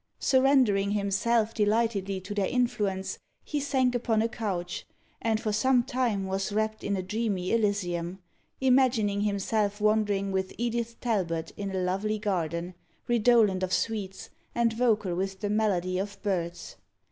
Surrendering himself delightedly to their influence, he sank upon a couch, and for some time was wrapped in a dreamy elysium, imagining himself wandering with Edith Talbot in a lovely garden, redolent of sweets, and vocal with the melody of birds.